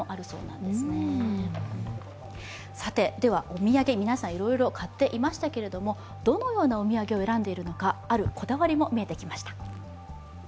お土産、皆さん、いろいろ買っていましたけれども、どのようなお土産を選んでいるのか、あるこだわりも見えてきました。